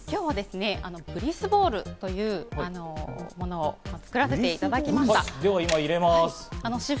ブリスボールというものを作らせていただきました。